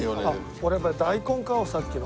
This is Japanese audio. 俺やっぱり大根買おうさっきの。